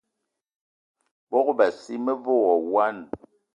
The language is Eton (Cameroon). Bogb-assi me ve wo wine.